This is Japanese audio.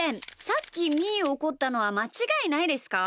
さっきみーをおこったのはまちがいないですか？